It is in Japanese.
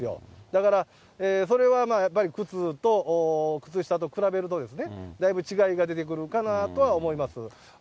だから、それはやっぱり靴と靴下と比べると、だいぶ違いが出てくるかなとは思います。